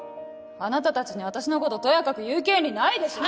あなたたちに私のこととやかく言う権利ないでしょ。